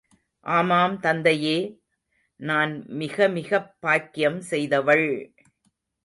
ஆமாம், தந்தையே!... நான் மிகமிகப் பாக்கியம் செய்தவள்!..